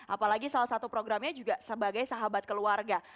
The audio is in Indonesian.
apalagi salah satu programnya juga sebagai sahabat keluarga